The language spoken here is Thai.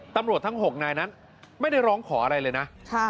ตำรวจทั้ง๖นายนั้นไม่ได้ร้องขออะไรเลยนะ